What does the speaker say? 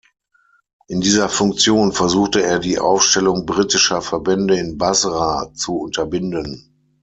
In dieser Funktion versuchte er die Aufstellung britischer Verbände in Basra zu unterbinden.